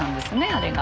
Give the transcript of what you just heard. あれが。